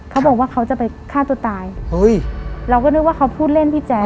เขาบอกว่าเขาจะไปฆ่าตัวตายเฮ้ยเราก็นึกว่าเขาพูดเล่นพี่แจ๊